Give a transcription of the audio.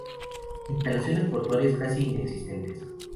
Instalaciones portuarias casi inexistentes.